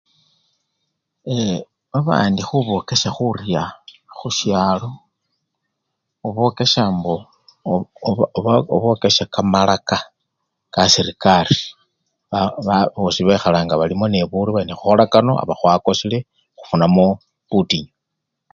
E! babandi khubokesya khurya khusyalo, obokesya mbo oba! oba! obokesya kamalaka kaserekari ka! bosi bekhala nga nebarya bali nekhukhola kano khuba khwakosile nekhufunamo butinyu.